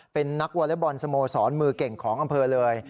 เป็นนักวอเล็กบอลสโมสรมือเก่งของอำเภอเลย